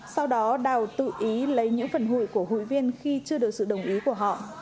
sau đó đào tự ý lấy những phần hụi của hụi viên khi chưa được sự đồng ý của họ